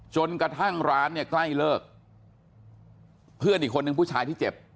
จนกระทั่งร้านเนี่ยใกล้เลิกเพื่อนอีกคนนึงผู้ชายที่เจ็บ